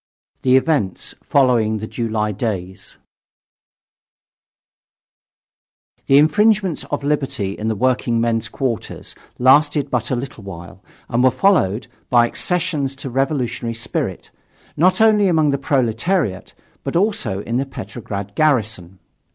THE EVENTS FOLLOWING THE JULY DAYS The infringements of liberty in the working men's quarters lasted but a little while and were followed by accessions of revolutionary spirit, not only among the proletariat, but also in the Petrograd garrison.